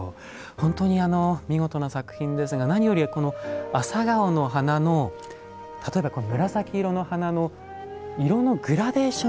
本当に見事な作品ですが何より朝顔の花の例えば紫色の花の色のグラデーション。